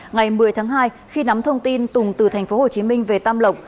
ngày một mươi tháng hai khi nắm thông tin tùng từ tp hcm về tam lộc